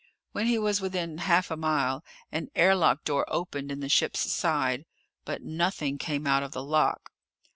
When he was within half a mile, an air lock door opened in the ship's side. But nothing came out of the lock.